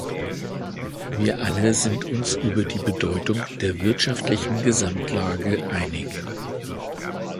Wir alle sind uns über die Bedeutung der wirtschaftlichen Gesamtlage einig.